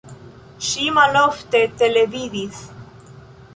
Ŝi malofte televidis.